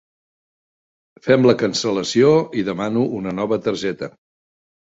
Fem la cancel·lació i demano una nova targeta.